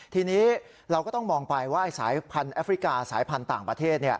ทีนี้เราก็ต้องมองไปว่าสายพันธุ์แอฟริกาสายพันธุ์ต่างประเทศ